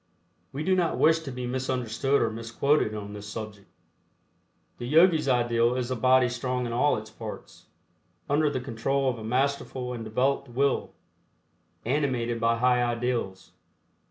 We do not wish to be misunderstood or misquoted on this subject. The Yogis' ideal is a body strong in all its parts, under the control of a masterful and developed Will, animated by high ideals.